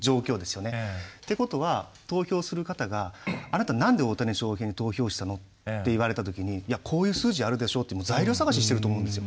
ってことは投票する方があなたなんで大谷翔平に投票したの？って言われたときにいやこういう数字あるでしょって材料探ししてると思うんですよ。